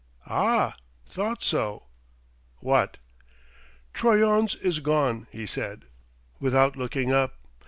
Ah thought so!" "What ?" "Troyon's is gone," he said, without looking up.